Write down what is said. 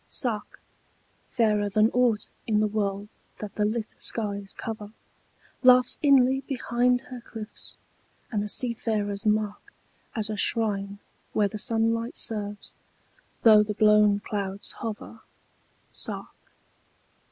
SARK, fairer than aught in the world that the lit skies cover, Laughs inly behind her cliffs, and the seafarers mark As a shrine where the sunlight serves, though the blown clouds hover, Sark.